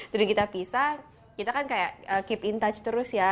terus kita pisah kita kan kayak keep in touch terus ya